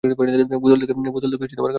বোতল থেকে খাবি না।